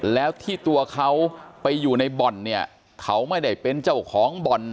แล้วที่ตัวเขาไปอยู่ในบ่อนเนี่ยเขาไม่ได้เป็นเจ้าของบ่อน